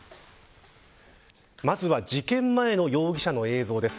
まずは事件前の容疑者の映像です。